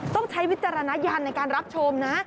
ใช้วิจารณญาณในการรับชมนะ